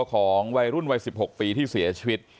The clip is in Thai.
ของวัยรุ่นวัย๑๖ปีที่เสียชีวิต